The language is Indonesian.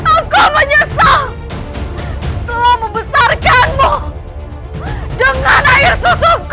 aku menyesal telah membesarkanmu dengan air susuku